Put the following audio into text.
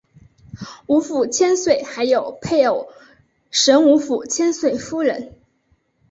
吴府千岁还有配偶神吴府千岁夫人。